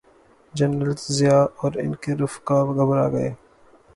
General Zia اور ان کے رفقاء گھبرا گئے۔